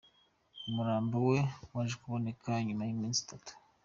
Umurambo we waje kuboneka nyuma y’iminsi itatu.